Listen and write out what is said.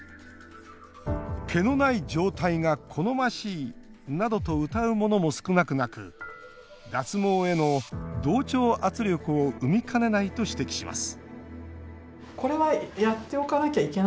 毛のない状態が好ましいなどとうたうものも少なくなく脱毛への同調圧力を生みかねないと指摘します